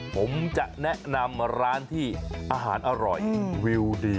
ผมจะแนะนำร้านที่อาหารอร่อยวิวดี